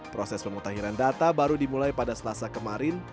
proses pemutahiran data baru dimulai pada selasa kemarin